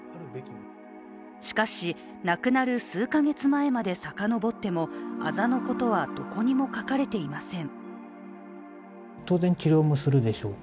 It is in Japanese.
しかし、亡くなる数か月前まで遡ってもあざのことはどこにも書かれていません。